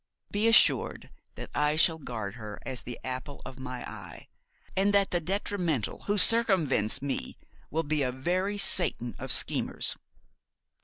'Be assured that I shall guard her as the apple of my eye, and that the detrimental who circumvents me will be a very Satan of schemers.